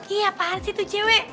ih apaan sih tuh cewek